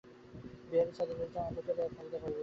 বিহারী ছাদের নির্জন অন্ধকারে আর থাকিতে পারিল না।